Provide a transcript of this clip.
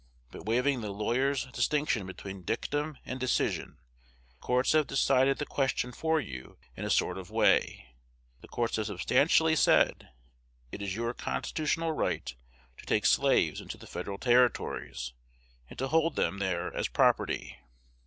But waiving the lawyer's distinction between dictum and decision, the courts have decided the question for you in a sort of way. The courts have substantially said, it is your constitutional right to take slaves into the Federal Territories, and to hold them there as property.